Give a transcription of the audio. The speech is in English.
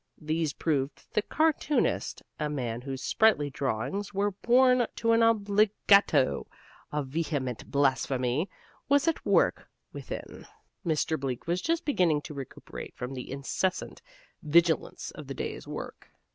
These proved that the cartoonist (a man whose sprightly drawings were born to an obbligato of vehement blasphemy) was at work within. Mr. Bleak was just beginning to recuperate from the incessant vigilance of the day's work.